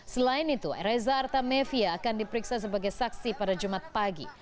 selain itu reza artamevia akan diperiksa sebagai saksi pada jumat pagi